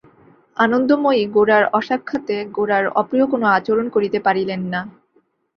আনন্দময়ী গোরার অসাক্ষাতে গোরার অপ্রিয় কোনো আচরণ করিতে পারিলেন না।